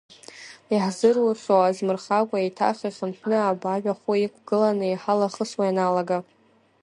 Иаҳзырухьоу азмырхакәа, еиҭах ихынҳәны Абаажә ахәы иқәгыланы иҳалахысуа ианалага…